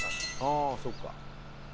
「ああそうか」